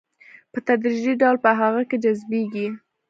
په تدريجي ډول په هغه کې جذبيږي.